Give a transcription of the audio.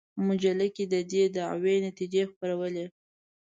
مجله کې د دې دعوې نتیجې خپرولې.